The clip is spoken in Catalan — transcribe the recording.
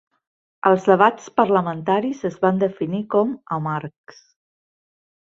Els debats parlamentaris es van definir com "amargs".